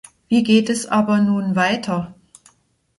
Wie geht es aber nun weiter?